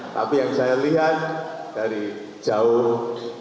tapi yang saya lihat dari jauh